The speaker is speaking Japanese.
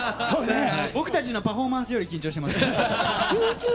僕たちのパフォーマンスより緊張してます。